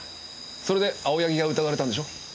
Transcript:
それで青柳が疑われたんでしょ？